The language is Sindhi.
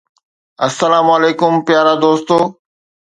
السلام عليڪم پيارا دوستو